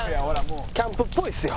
キャンプっぽいですよ。